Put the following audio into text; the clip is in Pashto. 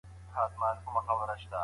شکر د اخیرت د سفر لپاره یو لوی زېرمه ده.